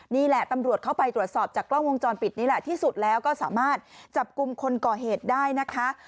นี่แหละตำรวจเข้าไปตรวจสอบจากกล้องวงจรปิดนี่แหละที่สุดแล้วก็สามารถจับกลุ่มคนก่อเหตุได้นะคะ